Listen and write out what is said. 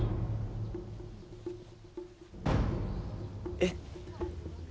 えっ。